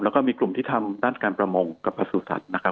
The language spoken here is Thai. แล้วก็มีกลุ่มที่ทำด้านการประมงกับประสูจัตว์นะครับ